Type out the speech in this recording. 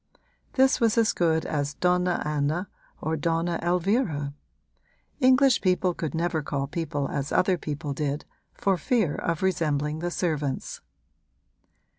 This was as good as Donna Anna or Donna Elvira: English people could never call people as other people did, for fear of resembling the servants.